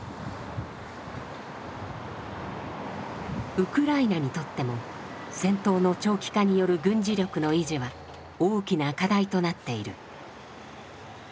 ウクライナにとっても戦闘の長期化による軍事力の維持は大きな課題となっている。